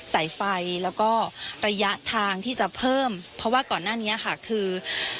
สายไฟแล้วก็ระยะทางที่จะเพิ่มเพราะว่าก่อนหน้านี้ค่ะคือ